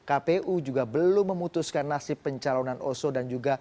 kpu juga belum memutuskan nasib pencalonan oso dan juga